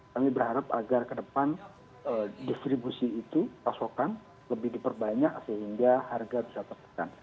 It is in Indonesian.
kami berharap agar ke depan distribusi itu pasokan lebih diperbanyak sehingga harga bisa tertekan